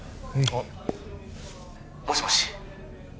ああもしもし？